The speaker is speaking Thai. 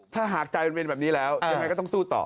ถ้าหากใจมันเป็นแบบนี้แล้วยังไงก็ต้องสู้ต่อ